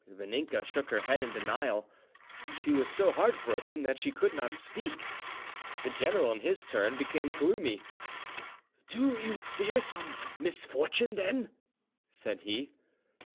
Vaninka shook her head in denial. She was so heart broken that she could not speak. The general in his turn became gloomy. "Do you fear some misfortune, then?" said he.